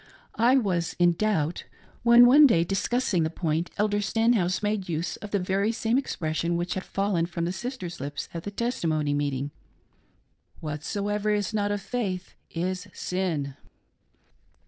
I was "in doubt": — when one day, discussing the point. Elder Stenhouse made use of the very same expression which had fallen from the sister's lips at the testimony meet 72 MY MARRIED LIFE BEGINS. ing —" Whatsoever is not of faith is sin."